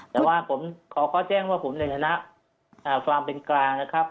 แต่ว่าผมขอแจ้งว่าผมในฐานะความเป็นกลางนะครับ